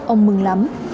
ông mừng lắm